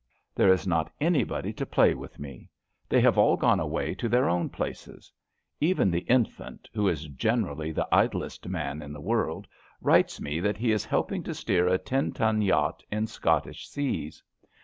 There is not anybody to play with me. They have all gone away to their own places. Even the Infant, who is generally the idlest man in the world, writes me that he is helping to steer a ten ton yacht in Scottish seas.